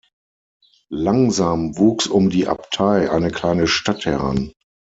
Langsam wuchs um die Abtei eine kleine Stadt heran.